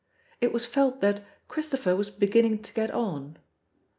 It was felt that "Christopher was beginning to get on."